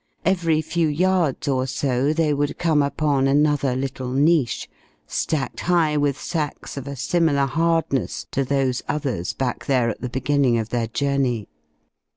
Every few yards or so they would come upon another little niche, stacked high with sacks of a similar hardness to those others back there at the beginning of their journey.